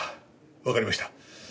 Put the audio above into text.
わかりました。